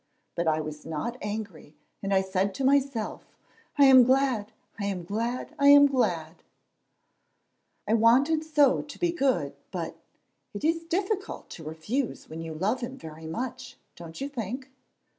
But I was not angry, and I said to myself, 'I am glad, I am glad, I am glad!' "I wanted so to be good, but It is so difficult to refuse when you love him very much, don't you think?"